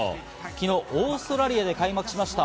昨日、オーストラリアで開幕しました。